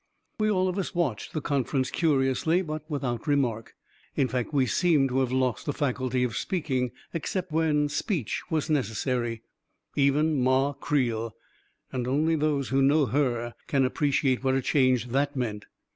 We all of us watched the conference curiously, but without remark. In fact, we seemed to have lost the faculty of speaking, except when speech was neces sary, even Ma Creel — and only those who know her can appreciate what a change that meant